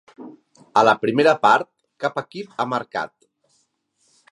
A la primera part, cap equip ha marcat.